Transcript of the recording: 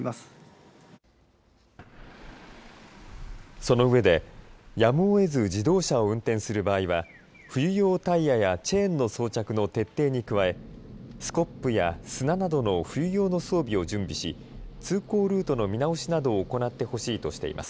そのうえでやむをえず自動車を運転する場合は冬用タイヤやチェーンの装着の徹底に加えスコップや砂などの冬用の装備を準備し通行ルートの見直しなどを行ってほしいとしています。